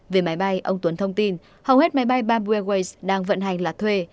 về máy bay ông tuấn thông tin hầu hết máy bay bamboo airways đang vận hành là thuê